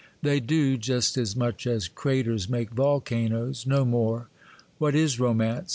They do—just as much as craters make volcanoes,—no more. What is romance?